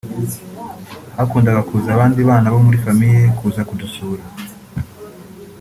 hakundaga kuza abandi bana bo muri famille kuza kudusura